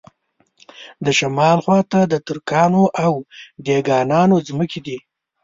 د شمال خواته د ترکانو او دېګانانو ځمکې دي.